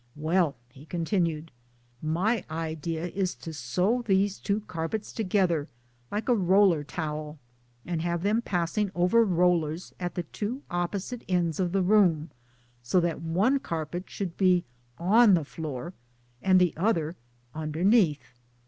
" Well " he continued " my idea is to sew these two carpets together like a roller towel, and have them passing over rollers at the two opposite ends of the room, so that one carpet should be on the floor, and the other underneath.